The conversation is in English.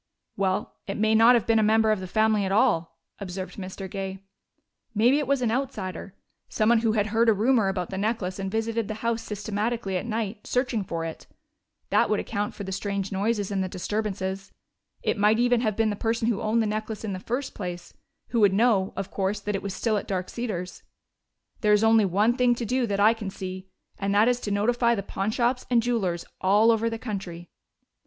"Well, it may not have been a member of the family at all," observed Mr. Gay. "Maybe it was an outsider, someone who had heard a rumor about the necklace and visited the house systematically at night, searching for it. That would account for those strange noises and the disturbances. It might even have been the person who owned the necklace in the first place, who would know, of course, that it was still at Dark Cedars. There is only one thing to do that I can see, and that is to notify the pawnshops and jewelers all over the country."